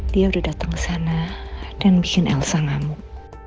dia udah datang kesana dan bikin elsa ngamuk